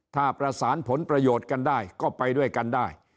ถ้าประสานผลประโยชน์กันได้ก็ไปด้วยกันได้